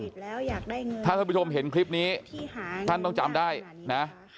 ถ้าท่านผู้ชมเห็นคลิปนี้ท่านต้องจำได้นะ